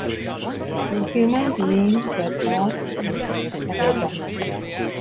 The human being, therefore, is a paradox.